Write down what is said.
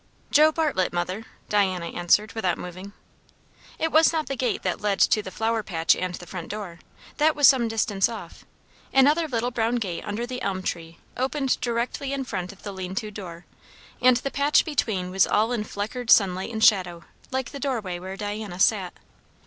"Joe Bartlett, mother," Diana answered without moving. It was not the gate that led to the flower patch and the front door. That was some distance off. Another little brown gate under the elm tree opened directly in front of the lean to door; and the patch between was all in fleckered sunlight and shadow, like the doorway where Diana sat.